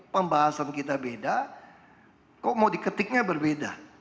pembahasan kita beda kok mau diketiknya berbeda